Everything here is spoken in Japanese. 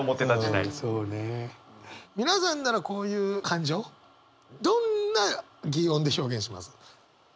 皆さんならこういう感情どんな擬音で表現します？